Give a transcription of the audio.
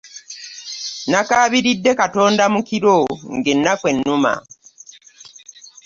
Nakabiride katonda mukiro nga enaku enuma.